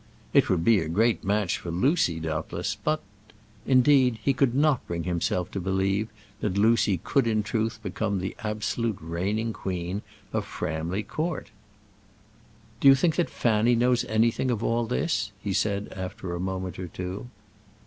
It would be a great match for Lucy, doubtless; but Indeed, he could not bring himself to believe that Lucy could in truth become the absolute reigning queen of Framley Court. "Do you think that Fanny knows anything of all this?" he said, after a moment or two.